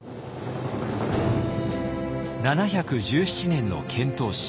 ７１７年の遣唐使。